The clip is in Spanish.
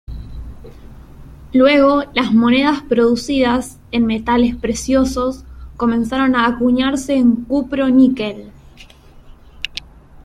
Luego las monedas producidas en metales preciosos comenzaron a acuñarse en cupro-níquel.